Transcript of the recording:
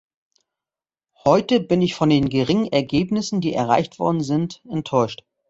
Heute bin ich von den geringen Ergebnissen, die erreicht worden sind, enttäuscht.